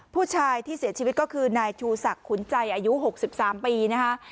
ผู้ชายที่เสียชีวิตก็คือนายชูศักดิ์ขุนใจอายุ๖๓ปีนะคะ